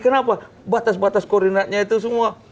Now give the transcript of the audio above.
kenapa batas batas koordinatnya itu semua